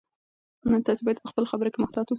تاسي باید په خپلو خبرو کې محتاط اوسئ.